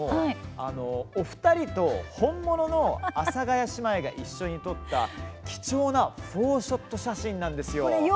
お二人と本物の阿佐ヶ谷姉妹が一緒に撮った貴重な４ショット写真なんですよ。